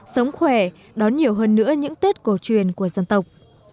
sống khỏe đón nhiều hơn nữa những tết cổ truyền của dân tộc